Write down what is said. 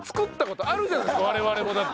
我々もだって。